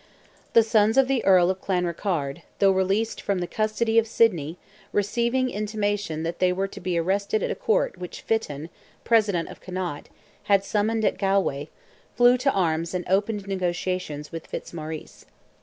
The sons of the Earl of Clanrickarde, though released from the custody of Sidney, receiving intimation that they were to be arrested at a court which Fitton, President of Connaught, had summoned at Galway, flew to arms and opened negotiations with Fitzmaurice.